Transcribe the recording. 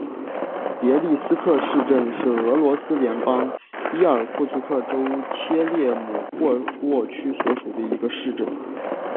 别利斯克市镇是俄罗斯联邦伊尔库茨克州切列姆霍沃区所属的一个市镇。